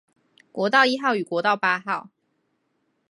國道一號與國道八號